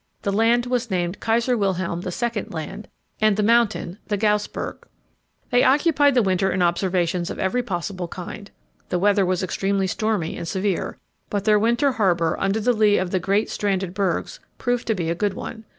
The land was named Kaiser Wilhelm II. Land, and the mountain the Gaussberg. They occupied the winter in observations of every possible kind. The weather was extremely stormy and severe, but their winter harbour, under the lee of great stranded bergs, proved to be a good one.